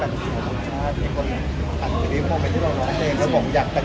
อยากจะแก่งจริงก็อยู่งานเป็นเรื่องแดง